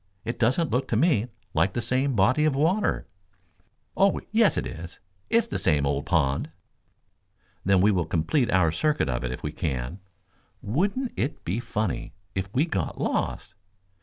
It doesn't look to me like the same body of water." "Oh, yes it is. It's the same old pond." "Then we will complete our circuit of it if we can. Wouldn't it be funny if we got lost?"